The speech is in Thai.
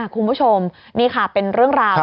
คุณผู้ชมนี่ค่ะเป็นเรื่องราว